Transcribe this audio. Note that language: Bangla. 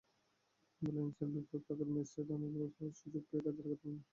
ভ্যালেন্সিয়ার বিপক্ষে আগের ম্যাচটিতেই অনেকগুলো সহজ সুযোগ পেয়েও কাজে লাগাতে পারেননি।